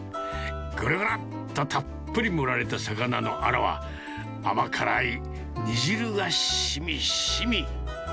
ごろごろっとたっぷり盛られた魚のあらは、甘辛い煮汁がしみしみ。